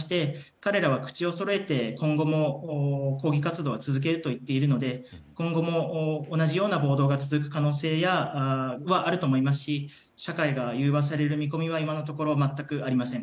彼らは口をそろえて、今後も抗議活動は続けると言っているので今後も同じような報道が続く可能性はあると思いますし社会が融和される見込みは今のところ、全くありません。